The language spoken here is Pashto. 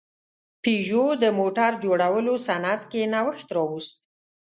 پيژو د موټر جوړولو صنعت کې نوښت راوست.